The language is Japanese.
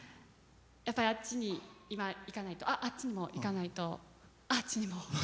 やっぱりあっちに行かないとあ、あっちにもあっちにも。